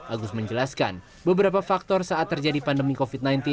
agus menjelaskan beberapa faktor saat terjadi pandemi covid sembilan belas